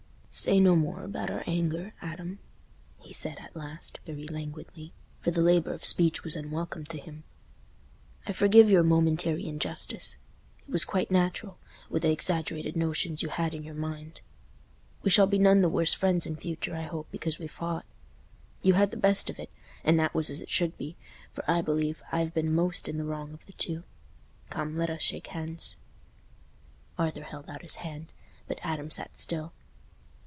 "Say no more about our anger, Adam," he said, at last, very languidly, for the labour of speech was unwelcome to him; "I forgive your momentary injustice—it was quite natural, with the exaggerated notions you had in your mind. We shall be none the worse friends in future, I hope, because we've fought. You had the best of it, and that was as it should be, for I believe I've been most in the wrong of the two. Come, let us shake hands." Arthur held out his hand, but Adam sat still.